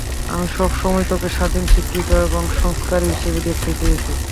আমি সবসময় তোকে স্বাধীন, শিক্ষিত এবং সংস্কারী হিসেবে দেখতে চেয়েছি।